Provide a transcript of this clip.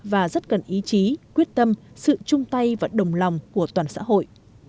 và rất cần ý chí quyết tâm sự chung tay và đồng lòng của toàn xã hội